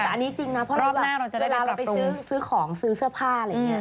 แต่อันนี้จริงนะเพราะรอบหน้าเวลาเราไปซื้อของซื้อเสื้อผ้าอะไรอย่างนี้